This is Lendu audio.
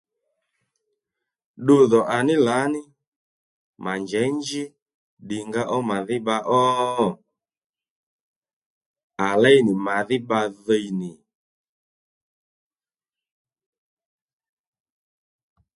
Ddudhò à ní lǎní mà njěy nji ddìnga ó màdhí bba ó? À léy nì màdhí bba dhiy nì